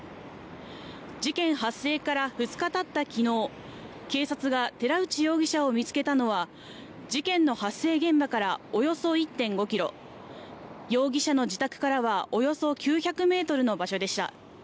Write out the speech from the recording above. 事件発生から２日たったきのう、警察が寺内容疑者を見つけたのは、事件の発生現場からおよそ１．５キロ、容疑者の自宅からはおよそ９００メートルの場所でした。